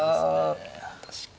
あ確かに。